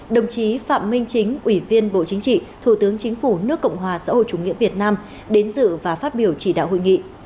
đồng chí phạm minh chính ủy viên bộ chính trị thủ tướng chính phủ nước cộng hòa xã hội chủ nghĩa việt nam đến dự và phát biểu chỉ đạo hội nghị